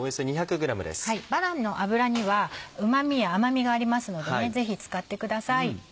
バラの脂にはうま味や甘みがありますのでぜひ使ってください。